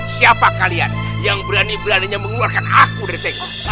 siapa kalian yang berani beraninya mengeluarkan aku dari teko